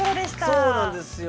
そうなんですよ。